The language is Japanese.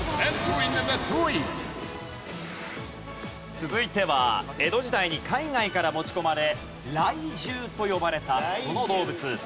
続いては江戸時代に海外から持ち込まれ雷獣と呼ばれたこの動物。